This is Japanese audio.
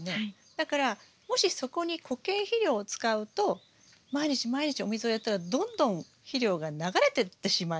だからもしそこに固形肥料を使うと毎日毎日お水をやったらどんどん肥料が流れてってしまいますよね。